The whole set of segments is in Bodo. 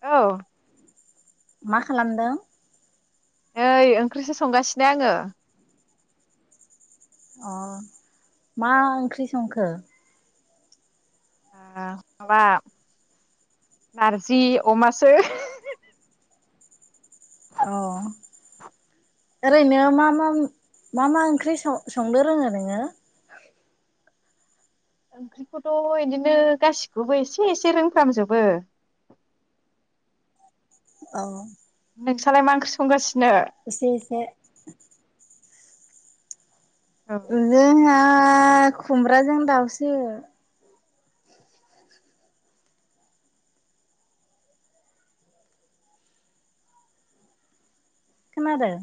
औ मा खालामदों? नै ओंख्रिसो संगासिनो आङो। अ मा ओंख्रि संखो? माबा नारजि अमासो हो, हो अ ओरैनो मा, मा, मा, मा ओंख्रि सं संनो रोङो नोङो? ओंख्रिखौथ इदिनो गासिखौबो एसे एसे रोंफ्रामजोबो। औ नोंसालाय मा ओंख्रि संगासिनो? एसे, एसे औ ओ जोंहा हा खुमब्राजों दाउसो। खोनादों?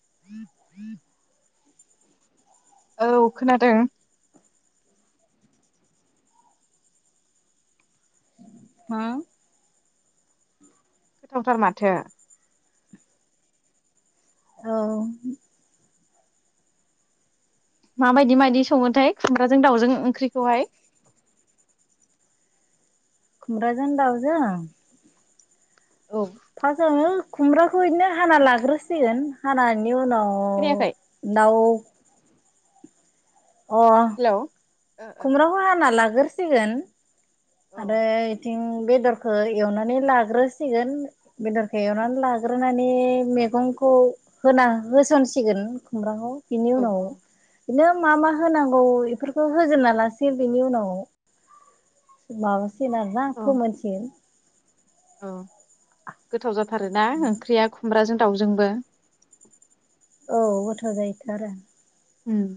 [inaudible] औ खोनादों। होम गोथावथार माथो। औ मा बायदि मायदि सङोथाय खुमब्राजों दाउजों ओंख्रिखौहाय? खुमब्राजों दावजों औ फासावनो खुमब्राखौ इदिनो हाना लाग्रोसिगोन हाना नि उनाव खोनायाखै दाव अ हेलौ ओ खुमब्राखौ हाना ला गोरसिगोन ओ आरो इथिं बेदरखौ एवनानै लाग्रोसिगोन। बेदरखो औ एवनानै लाग्रोना बे मेगंखौ होना होसनसिगोन खुमब्राखौ। बेनि औ उनाव बिदिनो मा मा होनांगौ इफोरखौ होजेबना लासै बिनि उनाव माबा [unintelligible] फोमोनसिगोन। अ गोथाव जाथ थारोना ओंख्रिया खुमब्राजों दाउजोंबो। औ गोथाव जायोथ' आरो। उम।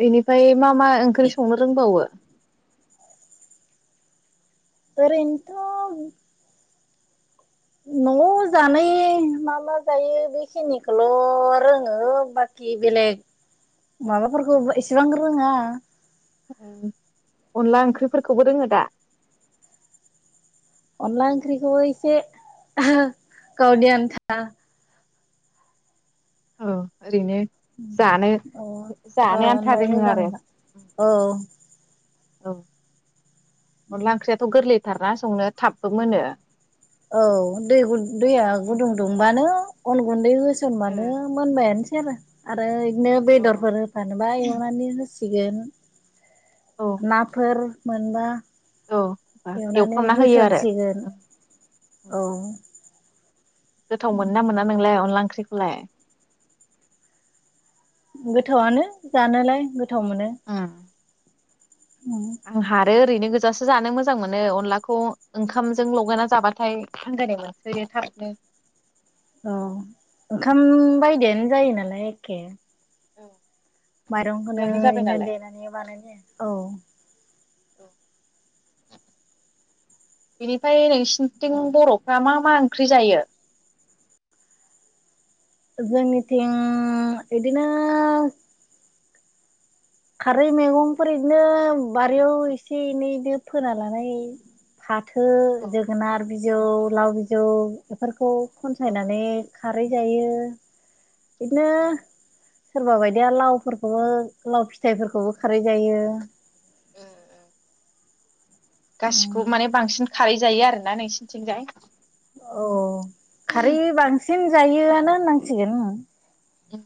बेनिफाय मा मा ओंख्रि संनो रोंबावो? ओरैनोथ' न'आव जानाय मा मा जायो बेखिनिखौल रोङो बाखि बेलेग माबाफोरखौ एसेबां रोङा। अनला ओंख्रिफोरखौबो रोङो दा? अनला ओंख्रिखौबो एसे गावनि आनथा। अ ओरैनो जानो ओ ओ जानो आन्था नाव रोङो आरो जानो दा अ। औ। अनला ओंख्रियाथ' गोरलै थारना संनो थाबबो मोनो। औ दै दैया गुदुं दुंबानो अन गुन्दै होसनबानो मोनबायानोसै आरो आरो बिदिनो बेदरफोर होफानोबा एवनानै हो औ [unintelligible] नाफोर मोनबा औ होनबा एवनानै एवफ्रामना होयो आरो। होसनसिगोन औ। गोथाव मोन ना मोना नोंलाय। अनला ओंख्रि खौलाय गोथावनो जानोलाय गो गोथाव मोनो। आं हारो ओरैनो गो बुरजासो जानो मोजां मोनो अनलाखौ ओंखामजों लगायना जाबाथाय आंगायनाय मोनसोयो थाबनो। अ ओंखाम बायदिनो जायो नालाय। एखे औ। माइरंखौनो इदिनो देनानै बानायानानै औ। बेनिफ्राय नोंसिनिथिं बर'फ्रा मा मा ओंख्रि जायो। जोंनिथिं बिदिनो खारै मैगंफोर इदिनो बारियाव एसे एनै फोना लानाय फाथो जोगोनार बिजौ लाव बिजौ बेफोरखौ औ खनसायनानै खारै जायो बिदिनो सोरबा बायदिया लावफोरखौबो लाव फि फिथाइफोरखौबो खारै जायो। उम उम। गासिखौ माने बांसिन खारै जायो आरोना नोंसिनिथिंजाय अ खारै बांसिन सिम जायोआनो होननांसिगोन। उम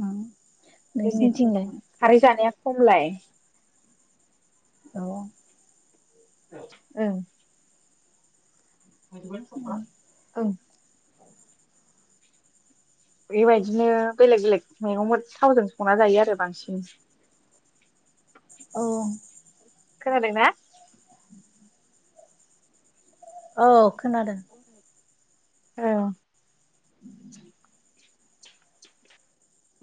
उम। जोंनिथिं खारै जानाया। खमलाय दङ। ओं। मोनगोन सफा। औ। बेबायदिनो बेलेग बेलेग मैगंफोर थावजों संना जायो आरो बांसिन। औ औ खोनादोंना? औ। खोनादों। औ। जि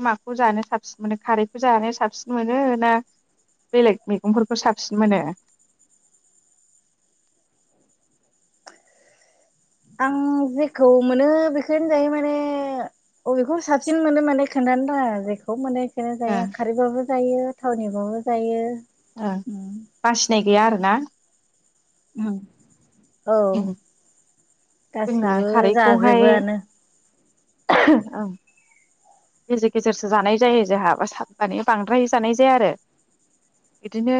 माखौ जानो साबसिन मोनो खारैखौ जानो साबसिन मोनो ना बेलेग मैगंफोरखौ साबसिन मोनो? आं जेखौ मोनो बेखौनो जायो माने अबेखौ साबसिन मोनो माने खोन्थानो [unintelligible] जेखौ माने ओ [unintelligible] खारैबाबो जायो। थावनिबाबो जायो। ओ बासिनाय आरो ना। औ। औ जोंना गासैबो खारैखौहाय जाजोबोआनो। [unintelligible] गेजेर गेजेरसो जानाय जायो जोंहा सानि बांद्राय जानाय जाया आरो। बिदिनो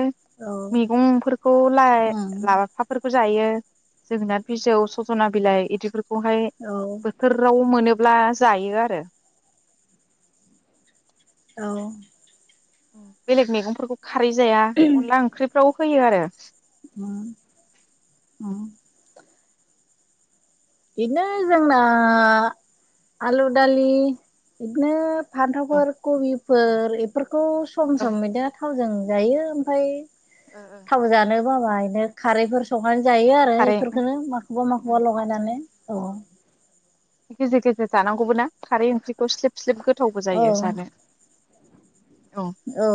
औ मैगंफोरखौ लाय उम लाफाफोरखौ जायो जोगोनार बिजौ सजना बिलाइ इदि खौहाय औ बोथोराव मोनो ब्ला जायो आरो। औ। बेलेग मैगंफोरखौ। खारै जाया अनला ओंख्रिफ्राव होयो आरो। [inaudible] [inaudible] बिदिनो जोंना आलु दालि इदिनो औ फान्थावफोर खबि फोर ए फोर खौ सम सम मैदा थावजों जायो ओमफाय थाव जानो। [unintelligible] खारैफोर सं संनानै जायो आरो खारै इफोरखोनो माखौबा माखौबा लगायनानै। औ। गेजेर गेजेर जानांगौबो ना खारै ओंख्रिखौ स्लिब स्लिब गोथावबो औ जायो जानो। औ।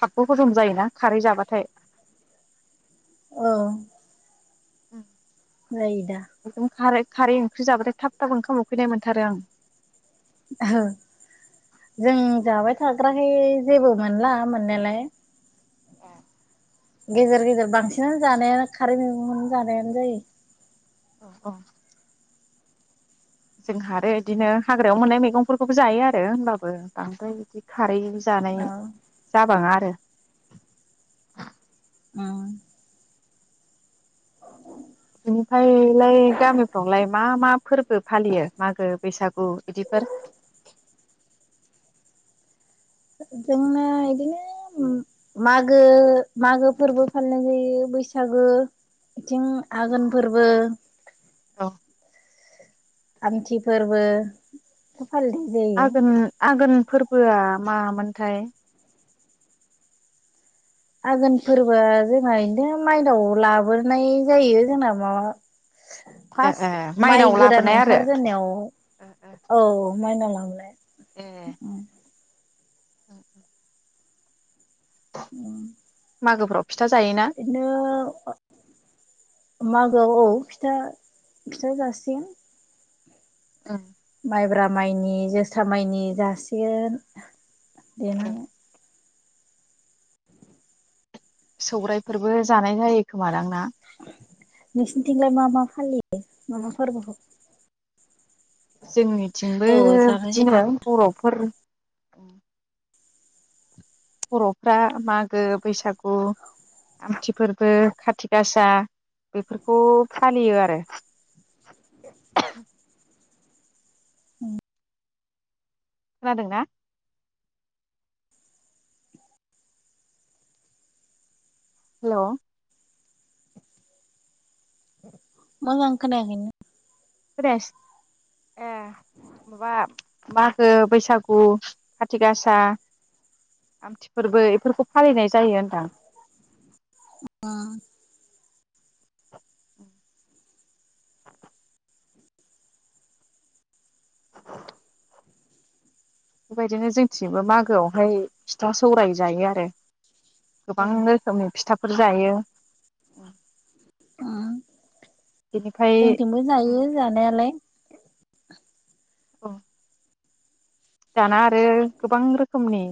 थाबबो हजम जायोना खारै जाबाथाय। औ। जायो दा उम। दंखारो खारै ओंख्रि जाबाथाय थाब थाब ओंखाम उखैनाय मोनथारो आं। जों जाबाय जाग्राखाय जेबो मोनला मोननायालाय। ए गेजेर गेजेर बांसिनानो जानाया खारै मैगंनो जानायानो जायो। अ अ जोंहा आरो इदिनो हाग्रायाव मोननाय मैगंफोरखौबो जायो आरो होमबाबो बांद्राय इदि खारै जानाय औ जाबाङा [unintelligible] उम बिनिफायलाय गामिफ्रावलाइ मा मा फोर्बो फालियो मागो बैसागु इदिफोर? जोंना बिदिनो मागो मागो फोर्बो फालिनाय जायो बैसागो बिथिं आगोलफोरबो औ आमथि फोर्बो आगोन आगोन फोर्बोआ मामोनथाय? आघोन फोर्बोआ जोंना इदिनो मायनाव लाबोनाय जायो जोंना माबा ए ए फार्स्ट माइ माइनाव गोदान लाबोनाय आरो ओंखारजेननायाव औ मायनाव लांनाय। ए ओं ओं उम मागो फ्राव बिदिनो मागोआव फिथा फिथा जासिगोन। ओं माइब्रा माइनि, जोसा माइनि जासिगोन। देनानै सौरायाइफोरबो जानाय जायो खोमादां ना? नोंसिनिथिंलाय मा मा फालियो मा मा फोर्बोखौ? जोंनि थिंबो जानाय जायो बिदिनो दा बर' फोरनि बर'फ्रा मागो, बैसागु, आमथि फोर्बो, खाथि गासा बेफोरखौ फालियो आरो। खोनादोंना? हेल' मोजां खोनायाखैनो? खोनायासै ए माबा मागो बैसागु खाथि गासा आमथि फोरबो इफोरखौ फालिनाय जायो होनदां। [unintelligible] बेबायदिनो जोंथिंबो मागोआव हाय फिथा सौराय जायो आरो औ गोबां रोखोमनि फिथाफोर जायो। बेनिफ्राय जोंथिंबो जायो जानायालाय। औ दाना आरो गोबां रोखोमनि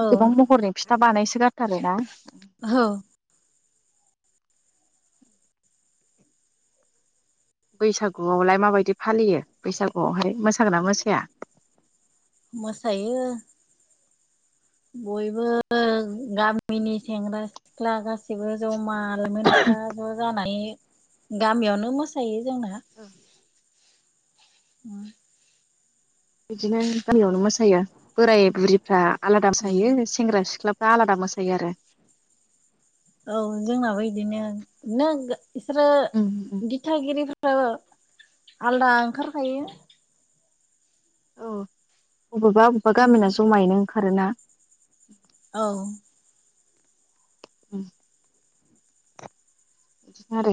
औ गोबां महरनि फिथ था बानायसो गारथारो ना। ओहौ। बैसागुआवलाय माबायदि फालियो बैसागुआवहाय मोसागोना मोसाया? मोसायो बयबो गामिनि सेंग्रा सिख्ला गासिबो जमा लायमोनफ्रा ज जानानै गामियावनो मोसायो। जोंना। औ उम। बिदिनो गामियावनो मोसायो बोराय बुरिफ्रा आलादा मोसायो सेंग्रा सिख्लाब दा आलादा मोसायो आरो। औ जोंनाबो इदिनो नों गो इसोरो उम उम दिथागिरि फो रो आलदा ओंखार खायो। औ बबेबा अबेबा गामिना जमायैनो ओंखारोना। औ उम बिदिनो आरो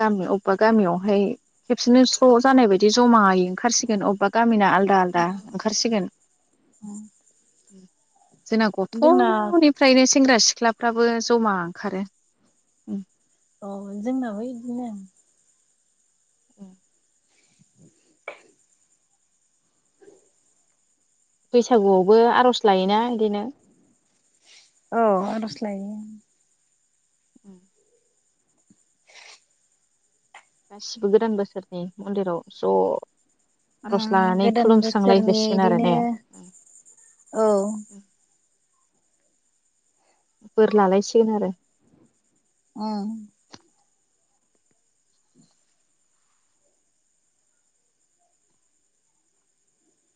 गामिआव अबबा गामिआवहाय खेबसेनो स्र जानाय बायदि जमायै ओंखारसिगोन अबा गामि गामिना आलदा आलदा ओंखारसिगोन। [unintelligible] जोंना जोंना गथ'निफ्रायनो सेंग्रा सिख सिख्लाफ्राबो जमा ओंखारो। उम अ जोंनाबो इदिनो। ओ बैसागुआवबो आरज लायोना इदिनो। अ आरज लायो। उम गासिबो गोदान बोसोरनि मन्दिराव ज आर'ज उम लानानै गोदान बोसोरनि खुलुमस्रांलायलायसिगोन आरो इदिनो ने औ। बोर लालायसिगोन आरो। ओम